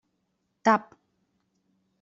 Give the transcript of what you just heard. Tap!